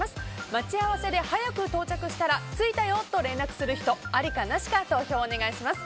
待ち合わせで早く到着したら着いたよと連絡する人ありかなしか投票をお願いします。